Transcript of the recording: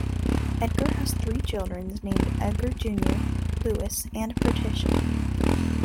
Edgar has three children named Edgar Junior, Louis and Patricia.